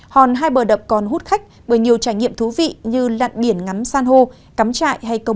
hòn hai bờ đập còn hút khách bởi nhiều trải nghiệm thú vị như lặn biển ngắm san hô cắm trại hay câu